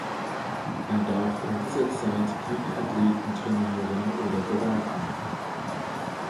Er darf in dieser Zeit keine Athleten trainieren oder beraten.